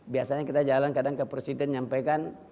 biasanya kita jalan kadang ke presiden nyampaikan